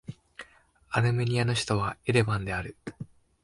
アルメニアの首都はエレバンである